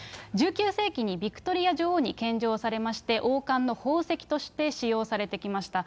１９世紀にビクトリア女王に献上されまして、王冠の宝石として使用されてきました。